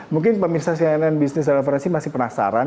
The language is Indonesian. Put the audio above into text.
mungkin pak ministra sinn business and refinancy masih penasaran